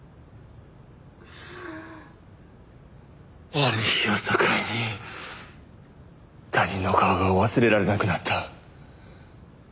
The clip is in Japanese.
ある日を境に他人の顔が忘れられなくなった。